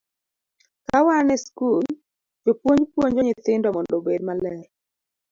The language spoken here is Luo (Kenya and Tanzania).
Ka wan e skul, jopuonj puonjo nyithindo mondo obed maler.